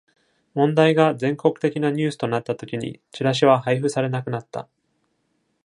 問題が全国的なニュースとなったときに、チラシは配布されなくなった。